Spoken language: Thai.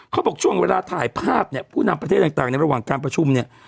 เขาบอกช่วงเวลาถ่ายภาพเนี่ยผู้นำประเทศต่างในระหว่างการประชุมเนี่ย